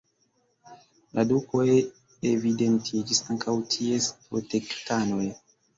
La dukoj evidentiĝis ankaŭ ties protektanoj.